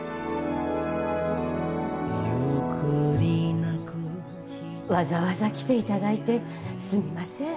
はいわざわざ来ていただいてすみません